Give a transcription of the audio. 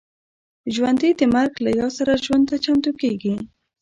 ژوندي د مرګ له یاد سره ژوند ته چمتو کېږي